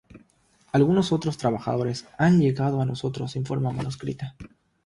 Algunos otros trabajos han llegado a nosotros en forma manuscrita.